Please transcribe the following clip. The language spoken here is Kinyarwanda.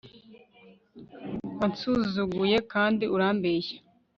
wansuzuguye kandi urambeshya